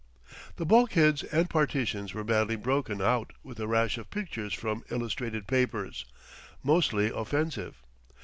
The bulkheads and partitions were badly broken out with a rash of pictures from illustrated papers, mostly offensive.